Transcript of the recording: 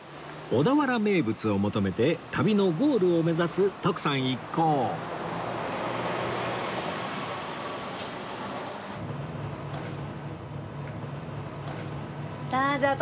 小田原名物を求めて旅のゴールを目指す徳さん一行さあじゃあ